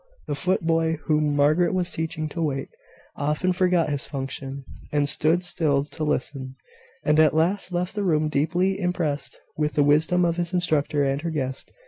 The foot boy, whom Margaret was teaching to wait, often forgot his function, and stood still to listen, and at last left the room deeply impressed with the wisdom of his instructor and her guest.